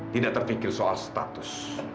tidak terpikir soal status